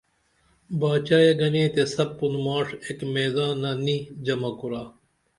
باچائے گنے تے سپُن ماڜ ایک میدانہ نی جمع کُرا